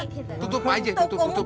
diin humaninya bagus